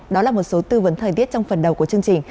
đó là một số tư vấn thời tiết trong phần đầu của chương trình